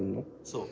そう。